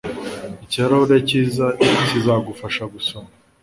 Ikirahuri cyiza kizagufasha gusoma.